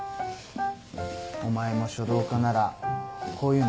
お前も書道家ならこういうの得意だよな？